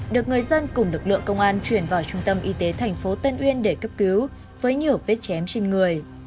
được người dân cùng lực lượng công an chuyển vào trung tâm y tế thành phố tân uyên để cấp cứu với nhiều vết chém trên người